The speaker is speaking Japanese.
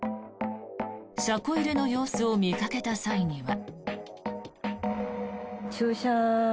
車庫入れの様子を見かけた際には。